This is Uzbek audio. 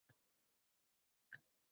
Yuragimni eritmoq uchun